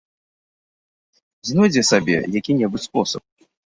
Знойдзе сабе які-небудзь спосаб.